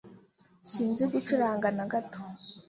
Sinzi gucuranga na gato.